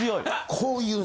こういうの。